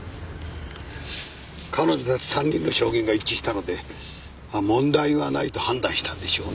彼女たち３人の証言が一致したので問題はないと判断したんでしょうね。